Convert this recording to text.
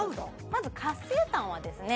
まず活性炭はですね